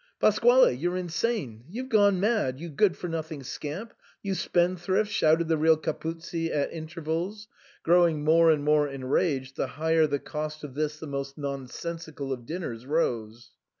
" Pasquale ! You're insane ! You'v.e gone mad ! You good for nothing scamp ! You spendthrift !" shouted the real Capuzzi at intervals, growing more and more enraged the higher the cost of this the most nonsensical of dinners rose.